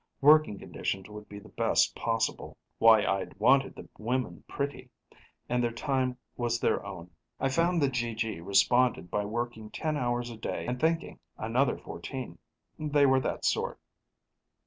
Working conditions would be the best possible why I'd wanted the women pretty and their time was their own. I found the GG responded by working 10 hours a day and thinking another 14. They were that sort.